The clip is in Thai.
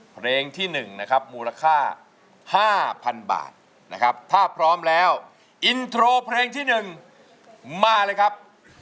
เพลงที่๑นะครับมูลค่า๕๐๐๐บาทนะครับถ้าพร้อมแล้วอินโทรเพลงที่๑มาเลยครับ